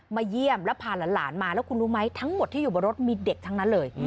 เยี่ยมแล้วพาหลานมาแล้วคุณรู้ไหมทั้งหมดที่อยู่บนรถมีเด็กทั้งนั้นเลย